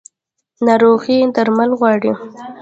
ناروغي درمل غواړي